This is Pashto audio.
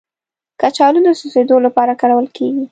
کچالو د سوځیدو لپاره کارول کېږي